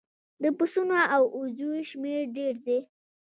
د پسونو او وزو شمیر ډیر دی